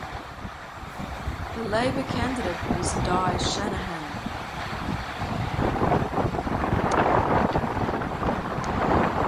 The Labor candidate was Di Shanahan.